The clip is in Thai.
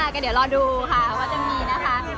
ก็เดี๋ยวรอดูค่ะว่าจะมีนะคะ